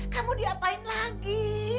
kamu diapain lagi